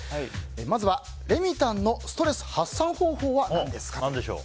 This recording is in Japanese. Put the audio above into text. まずはレミたんのストレス発散方法は何ですか？